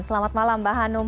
selamat malam mbak hanum